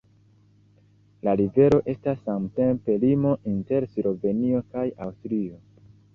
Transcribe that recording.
La rivero estas samtempe limo inter Slovenio kaj Aŭstrio.